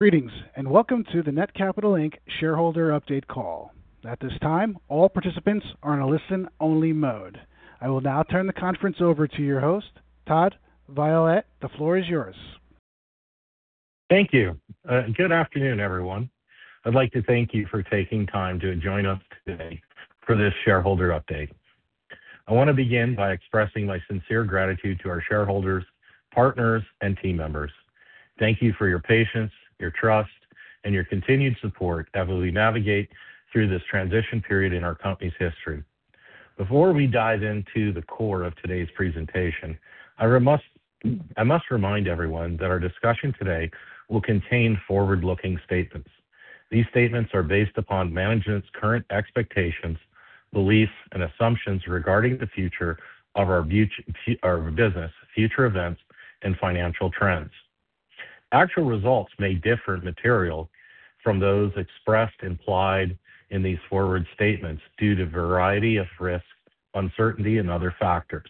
Greetings, welcome to the Netcapital Inc. shareholder update call. At this time, all participants are in a listen-only mode. I will now turn the conference over to your host, Todd Violette. The floor is yours. Thank you. Good afternoon, everyone. I'd like to thank you for taking time to join us today for this shareholder update. I want to begin by expressing my sincere gratitude to our shareholders, partners, and team members. Thank you for your patience, your trust, and your continued support as we navigate through this transition period in our company's history. Before we dive into the core of today's presentation, I must remind everyone that our discussion today will contain forward-looking statements. These statements are based upon management's current expectations, beliefs, and assumptions regarding the future of our business, future events, and financial trends. Actual results may differ material from those expressed implied in these forward statements due to a variety of risks, uncertainty, and other factors.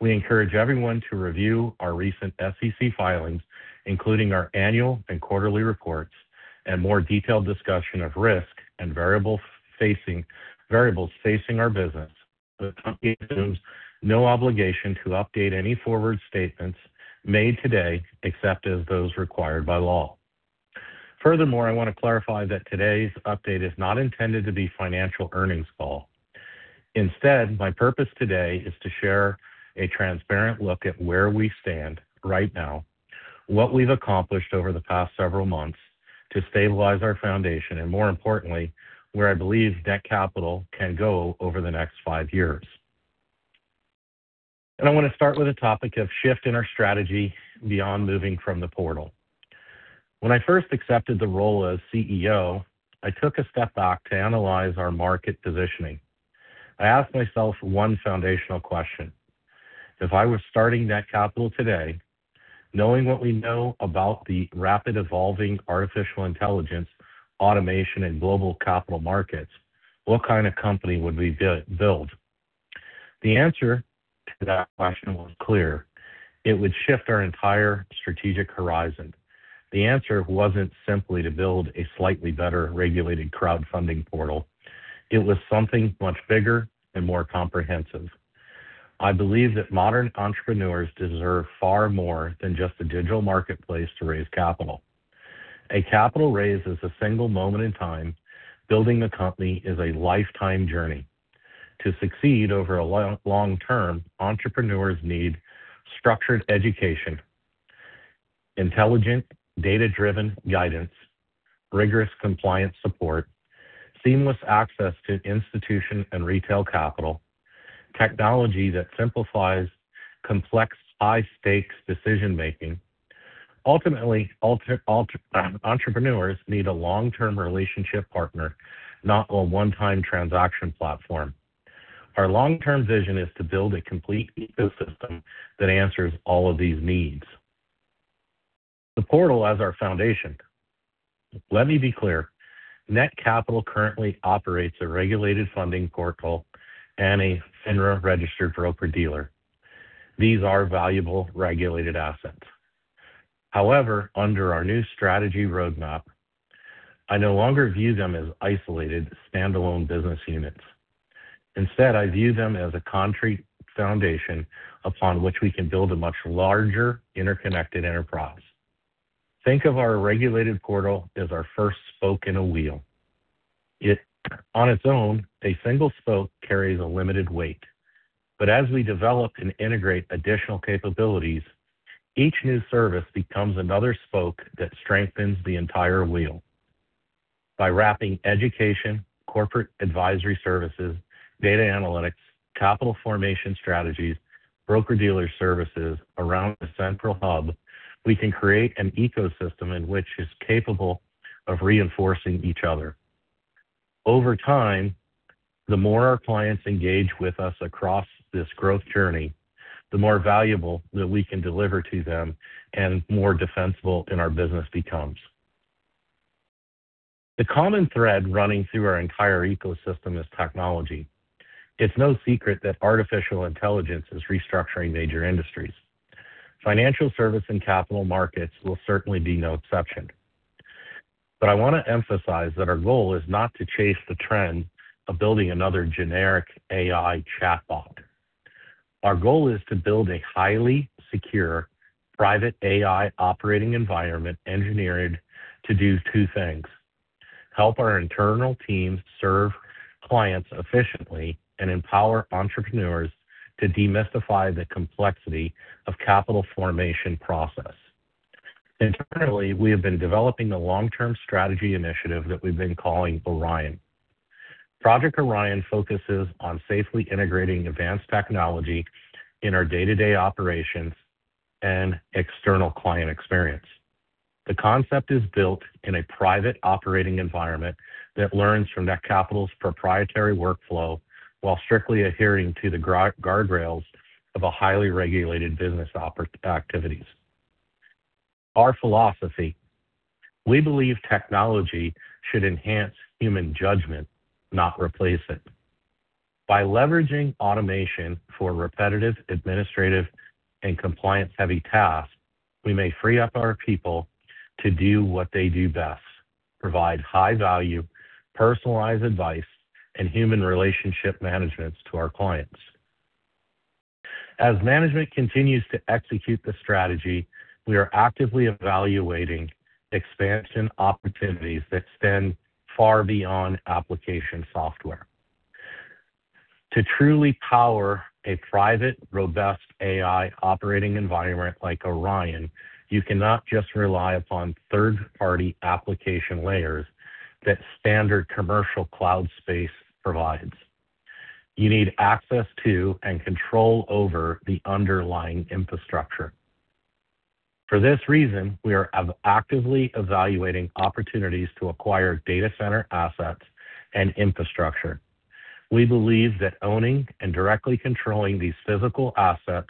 We encourage everyone to review our recent SEC filings, including our annual and quarterly reports, and more detailed discussion of risks and variables facing our business. The company assumes no obligation to update any forward statements made today, except as those required by law. Furthermore, I want to clarify that today's update is not intended to be financial earnings call. Instead, my purpose today is to share a transparent look at where we stand right now, what we've accomplished over the past several months to stabilize our foundation, and more importantly, where I believe Netcapital can go over the next five years. I want to start with a topic of shift in our strategy beyond moving from the portal. When I first accepted the role as CEO, I took a step back to analyze our market positioning. I asked myself one foundational question: If I were starting Netcapital today, knowing what we know about the rapid evolving artificial intelligence, automation, and global capital markets, what kind of company would we build? The answer to that question was clear. It would shift our entire strategic horizon. The answer wasn't simply to build a slightly better regulated crowdfunding portal. It was something much bigger and more comprehensive. I believe that modern entrepreneurs deserve far more than just a digital marketplace to raise capital. A capital raise is a single moment in time. Building a company is a lifetime journey. To succeed over a long term, entrepreneurs need structured education, intelligent, data-driven guidance, rigorous compliance support, seamless access to institution and retail capital, technology that simplifies complex high-stakes decision-making. Ultimately, entrepreneurs need a long-term relationship partner, not a one-time transaction platform. Our long-term vision is to build a complete ecosystem that answers all of these needs. The portal as our foundation. Let me be clear. Netcapital currently operates a regulated funding portal and a FINRA-registered broker-dealer. These are valuable regulated assets. However, under our new strategy roadmap, I no longer view them as isolated, stand-alone business units. Instead, I view them as a concrete foundation upon which we can build a much larger, interconnected enterprise. Think of our regulated portal as our first spoke in a wheel. On its own, a single spoke carries a limited weight. As we develop and integrate additional capabilities, each new service becomes another spoke that strengthens the entire wheel. By wrapping education, corporate advisory services, data analytics, capital formation strategies, broker-dealer services around a central hub, we can create an ecosystem in which is capable of reinforcing each other. Over time, the more our clients engage with us across this growth journey, the more valuable that we can deliver to them and more defensible in our business becomes. The common thread running through our entire ecosystem is technology. It's no secret that artificial intelligence is restructuring major industries. Financial service and capital markets will certainly be no exception. I want to emphasize that our goal is not to chase the trend of building another generic AI chatbot. Our goal is to build a highly secure, private AI operating environment engineered to do two things: help our internal teams serve clients efficiently, and empower entrepreneurs to demystify the complexity of capital formation process. Internally, we have been developing the long-term strategy initiative that we've been calling Orion. Project Orion focuses on safely integrating advanced technology in our day-to-day operations and external client experience. The concept is built in a private operating environment that learns from Netcapital's proprietary workflow while strictly adhering to the guardrails of a highly regulated business activities. Our philosophy. We believe technology should enhance human judgment, not replace it. By leveraging automation for repetitive administrative and compliance-heavy tasks, we may free up our people to do what they do best: provide high-value, personalized advice and human relationship management to our clients. As management continues to execute the strategy, we are actively evaluating expansion opportunities that extend far beyond application software. To truly power a private, robust AI operating environment like Orion, you cannot just rely upon third-party application layers that standard commercial cloud space provides. You need access to and control over the underlying infrastructure. For this reason, we are actively evaluating opportunities to acquire data center assets and infrastructure. We believe that owning and directly controlling these physical assets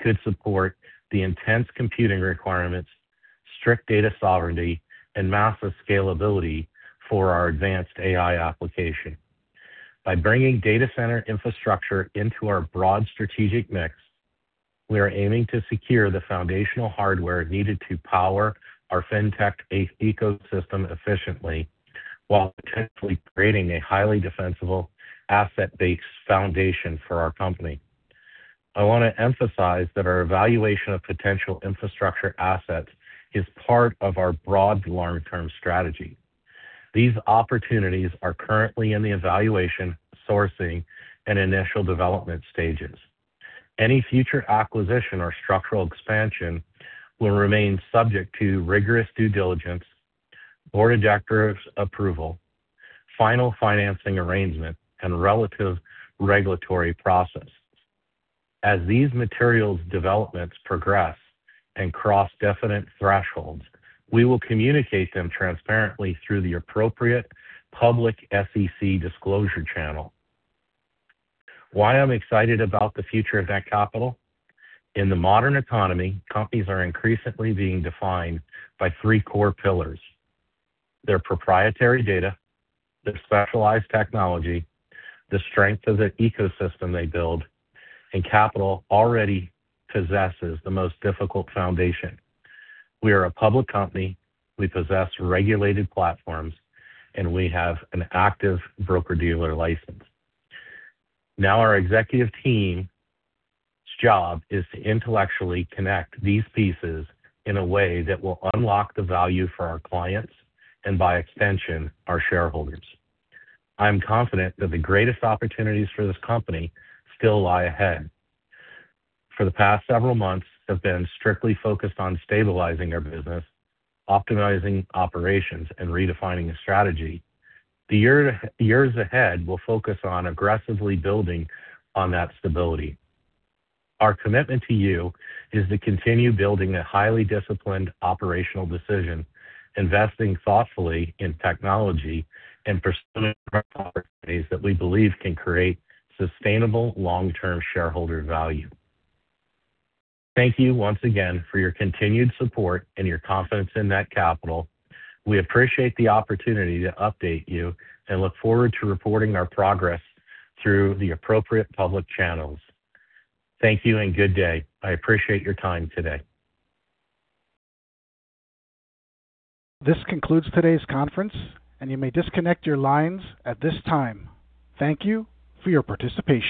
could support the intense computing requirements, strict data sovereignty, and massive scalability for our advanced AI application. By bringing data center infrastructure into our broad strategic mix, we are aiming to secure the foundational hardware needed to power our fintech ecosystem efficiently while potentially creating a highly defensible asset base foundation for our company. I want to emphasize that our evaluation of potential infrastructure assets is part of our broad long-term strategy. These opportunities are currently in the evaluation, sourcing, and initial development stages. Any future acquisition or structural expansion will remain subject to rigorous due diligence, board of directors approval, final financing arrangement, and relative regulatory process. As these materials developments progress and cross definite thresholds, we will communicate them transparently through the appropriate public SEC disclosure channel. Why I'm excited about the future of Netcapital? In the modern economy, companies are increasingly being defined by three core pillars: their proprietary data, their specialized technology, the strength of the ecosystem they build. Netcapital already possesses the most difficult foundation. We are a public company, we possess regulated platforms, and we have an active broker-dealer license. Our executive team's job is to intellectually connect these pieces in a way that will unlock the value for our clients and, by extension, our shareholders. I'm confident that the greatest opportunities for this company still lie ahead. For the past several months, we have been strictly focused on stabilizing our business, optimizing operations, and redefining a strategy. The years ahead will focus on aggressively building on that stability. Our commitment to you is to continue building a highly disciplined operational discipline, investing thoughtfully in technology and pursuing growth opportunities that we believe can create sustainable long-term shareholder value. Thank you once again for your continued support and your confidence in Netcapital. We appreciate the opportunity to update you and look forward to reporting our progress through the appropriate public channels. Thank you and good day. I appreciate your time today. This concludes today's conference. You may disconnect your lines at this time. Thank you for your participation.